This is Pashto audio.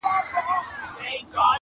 په دعا سو د امیر او د خپلوانو،